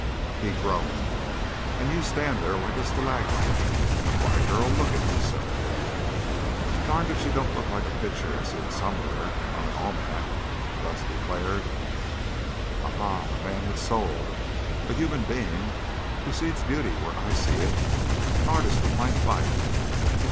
He groaned. "And you stand there like a stalagmite. Why, girl, look at yourself!" "Darned if she don't look like a pitcher I seen som'er's on an almanac," Gus declared. "Aha! A man with a soul! A human being who sees beauty where I see it. An artist with my fire!"